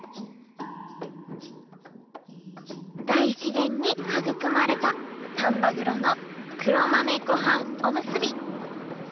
大自然に育まれた丹波黒の黒豆ごはんおむすび。